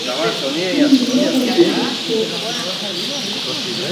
Ma yella ihudd llsas.